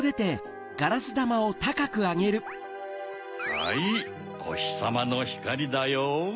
はいおひさまのひかりだよ。